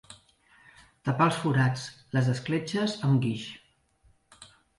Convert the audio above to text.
Tapar els forats, les escletxes, amb guix.